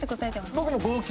僕も号泣。